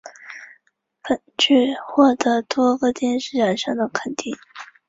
只有经男女双方的自由和完全的同意,才能缔婚。